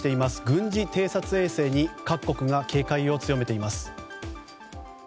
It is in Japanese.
軍事偵察衛星に各国が警戒を強めています。